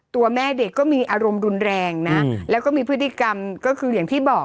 ตัวแม่เด็กก็มีอารมณ์รุนแรงนะแล้วก็มีพฤติกรรมก็คืออย่างที่บอก